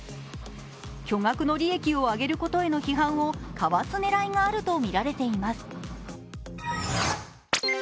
巨額の利益を上げることへの批判をかわす狙いがあるとみられています。